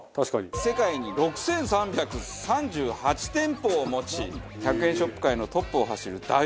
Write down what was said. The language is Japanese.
世界に６３３８店舗を持ち１００円ショップ界のトップを走るＤＡＩＳＯ。